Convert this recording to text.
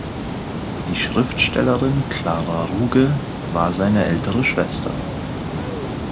Die Schriftstellerin Clara Ruge war seine ältere Schwester.